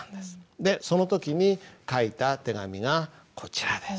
でその時に書いた手紙がこちらです。